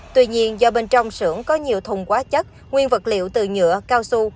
tuy nhiên do bên trong xưởng có nhiều thùng quá chất nguyên vật liệu từ nhựa cao su